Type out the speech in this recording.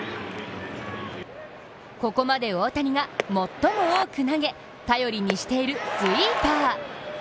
ここまで大谷が最も多く投げ頼りにしているスイーパー。